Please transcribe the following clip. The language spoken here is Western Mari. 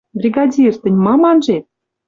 Бригадир! Тӹнь мам анжет?